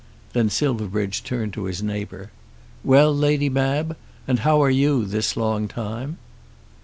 Then Silverbridge turned to his neighbour. "Well, Lady Mab, and how are you this long time?"